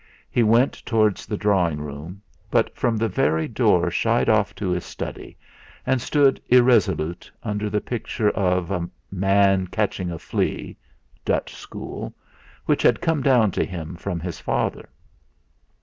He went towards the drawing room, but from the very door shied off to his study and stood irresolute under the picture of a "Man catching a flea" (Dutch school), which had come down to him from his father.